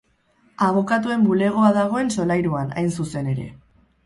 Abokatuen bulegoa dagoen solairuan, hain zuzen ere.